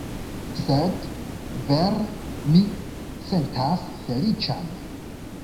Sed vere mi sentas feliĉan